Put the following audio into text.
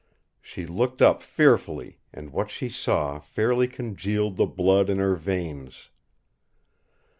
She looked up fearfully, and what she saw fairly congealed the blood in her veins.